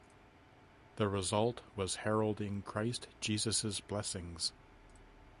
The result was Heralding Christ Jesus' Blessings.